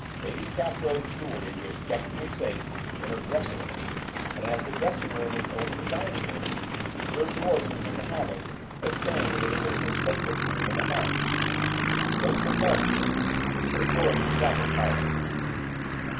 Lady Cathrow's jewellery was kept in a safe in her dressing room, and as the dressing room was over the dining room, Sir George was in the habit of saying that it was the 'safest' room in the house. (Note the pun, please; Sir George is rather proud of it.)